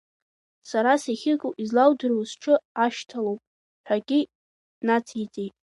Сара сахьыҟоу излаудыруа сҽы ашьҭалоуп, ҳәагьы нациҵеит.